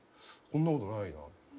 こんなことないな。